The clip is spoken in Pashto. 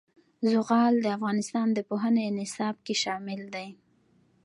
زغال د افغانستان د پوهنې نصاب کې شامل دي.